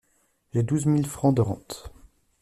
J’ai douze mille francs de rente…